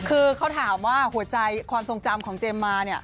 คือเขาถามว่าหัวใจความทรงจำของเจมส์มาเนี่ย